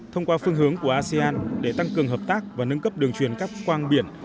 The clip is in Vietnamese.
thông qua phương hướng của asean để tăng cường hợp tác và nâng cấp đường truyền các quang biển